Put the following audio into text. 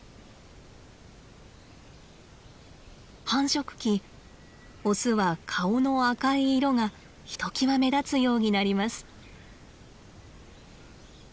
繁殖期オスは顔の赤い色がひときわ目立つようになります。